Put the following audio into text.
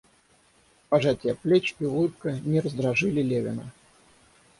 Пожатие плеч и улыбка не раздражили Левина.